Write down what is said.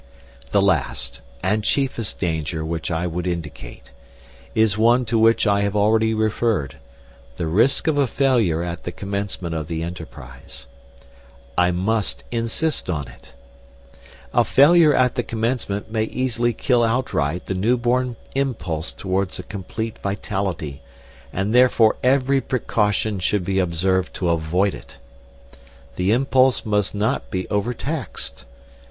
The last, and chiefest danger which I would indicate, is one to which I have already referred the risk of a failure at the commencement of the enterprise. I must insist on it. A failure at the commencement may easily kill outright the newborn impulse towards a complete vitality, and therefore every precaution should be observed to avoid it. The impulse must not be over taxed.